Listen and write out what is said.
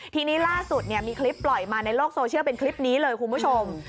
ทีนี้ล่าสุดมีคลิปปล่อยมาในโลกโซเชียลเป็นคลิปนี้เลยคุณผู้ชม